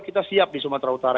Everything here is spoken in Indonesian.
kita siap di sumatera utara